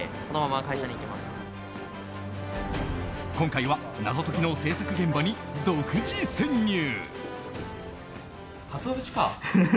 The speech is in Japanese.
今回は謎解きの制作現場に独自潜入。